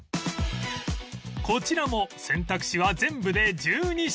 こちらも選択肢は全部で１２品